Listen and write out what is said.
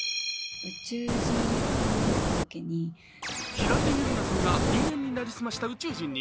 平手友梨奈さんが人間になりすました宇宙人に。